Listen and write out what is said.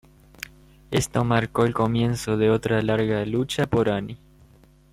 Esto marcó el comienzo de otra larga lucha por Ani.